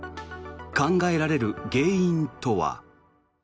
考えられる原因とは。